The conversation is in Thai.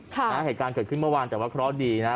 เมื่อการเกิดขึ้นเมื่อวานแต่ว่าเค้าร้อนดีแล้วนะฮะ